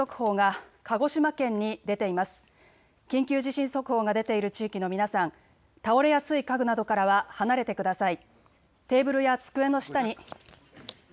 揺れが強かった地域の皆さん、倒れやすい家具などからは離れてください。